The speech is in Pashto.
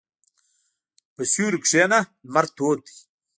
په سیوري کښېنه، لمر تود دی.